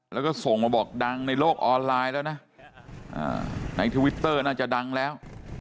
แล้วก็ส่งมาบอกดังในโลกออนไลน์แล้วนะในทวิตเตอร์น่าจะดังแล้ว